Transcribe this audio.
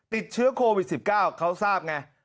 ติดเชื้อโควิด๑๙เขาทราบไง